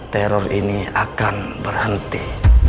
terror ini akan berhenti